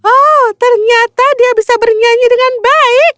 oh ternyata dia bisa bernyanyi dengan baik